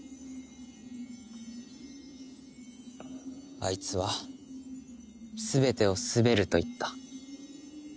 あいつは「全てを統べる」と言った。